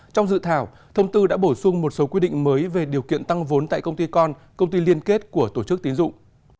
trong dự thảo thông tư đã bổ sung một số quy định mới về điều kiện tăng vốn tại công ty con công ty liên kết của tổ chức tiến dụng